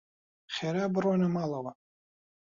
خێرا بڕۆنە ماڵەوە.